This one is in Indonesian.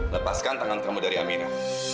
lepaskan tangan kamu dari amina